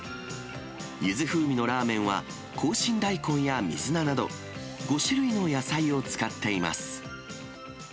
ゆず風味のラーメンは、紅芯大根や水菜など、５種類の野菜を使っています。